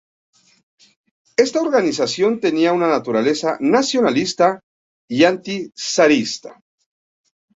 Esta organización tenía una naturaleza nacionalista y anti-Zarista.